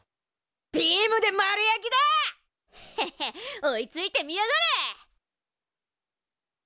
ビームで丸焼きだ！へへっ追いついてみやがれ！